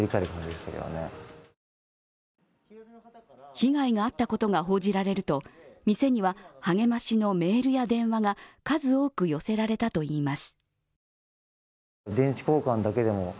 被害があったことが報じられると店には、はげましのメールや電話が数多く寄せられたといいます。